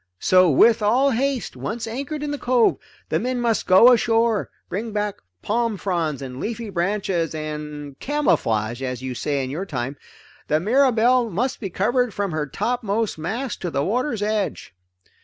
So with all haste, once anchored in the cove, the men must go ashore, bring back palm fronds and leafy branches and camouflage as you say in your time the Mirabelle from her topmost mast to the water's edge.